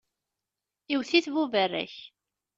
Iwwet-it buberrak.